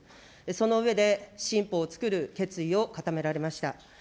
その上で、新法を作る決意を固められました。